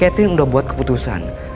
catherine udah buat keputusan